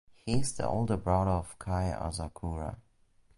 He is the older brother of Kai Asakura.